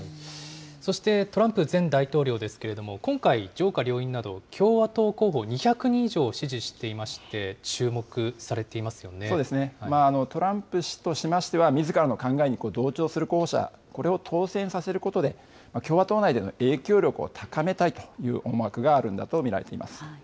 そしてトランプ前大統領ですけれども、今回、上下両院など共和党候補２００人以上を支持していまして、注目さそうですね、トランプ氏としましては、みずからの考えに同調する候補者、これを当選させることで、共和党内での影響力を高めたいという思惑があるんだと見られています。